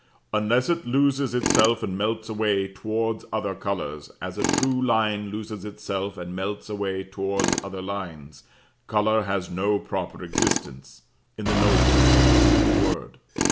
Unless it looses itself and melts away towards other colours, as a true line loses itself and melts away towards other lines, colour has no proper existence, in the noble sense of the word.